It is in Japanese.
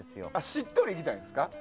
しっとりいきたいんですか？